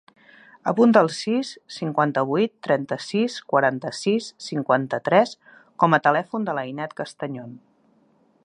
Apunta el sis, cinquanta-vuit, trenta-sis, quaranta-sis, cinquanta-tres com a telèfon de l'Ainet Castañon.